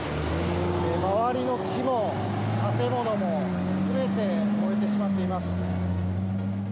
周りの木も建物も全て燃えてしまっています。